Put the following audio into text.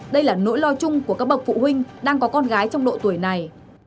đây là nỗi lo chung của các bậc phụ huynh đang có con gái trong độ tuổi này